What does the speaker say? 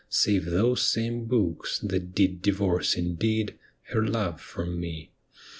Save those same books, that did divorce indeed Her love for me.